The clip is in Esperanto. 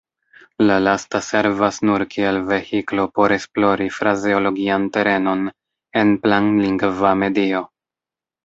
La lasta servas nur kiel vehiklo por esplori frazeologian terenon en planlingva medio.